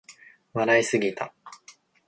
笑いすぎた